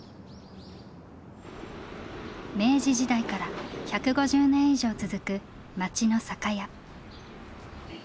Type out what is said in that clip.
明治時代から１５０年以上続く町の酒屋。